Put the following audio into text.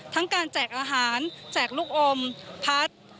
ทั้งการแจกอาหารแจกลูกอมพัฒน์